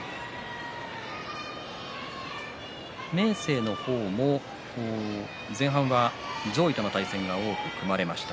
明生の方も前半は上位との対戦が多く組まれました。